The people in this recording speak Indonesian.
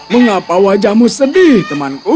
mengapa wajahmu sedih temanku